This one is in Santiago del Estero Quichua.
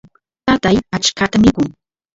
tatay achkata mikun